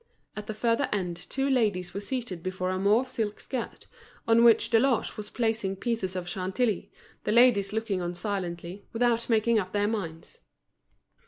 At the further end two ladies were seated before a mauve silk skirt, on which Deloche was placing pieces of Chantilly, the ladies looking on silently, without making up their minds.